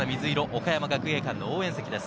岡山学芸館高校の応援席の様子です。